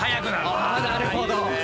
あなるほど。